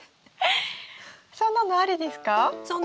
そんなのありです。